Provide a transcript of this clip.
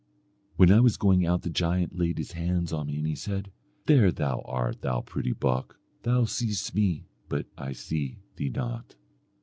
When I was going out the giant laid his hand on me, and he said, 'There thou art, thou pretty buck; thou seest me, but I see thee not.'